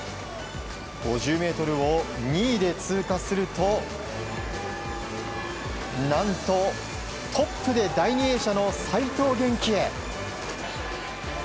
５０ｍを２位で通過すると何と、トップで第２泳者の齋藤元希へ。